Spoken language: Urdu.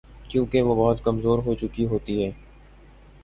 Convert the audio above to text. کیونکہ وہ بہت کمزور ہو چکی ہوتی ہیں